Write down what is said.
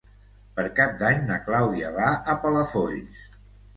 Per Cap d'Any na Clàudia va a Palafolls.